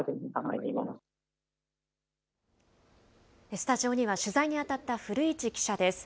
スタジオには取材に当たった古市記者です。